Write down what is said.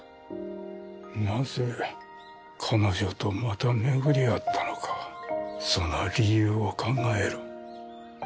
なぜ彼女とまた巡り会ったのかその理由を考えろ。